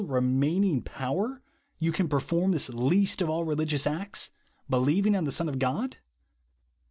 1^9 remaining power, you can perform this least of all religious acts, believing on the Son of God?